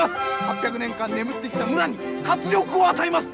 ８００年間眠ってきた村に活力を与えます！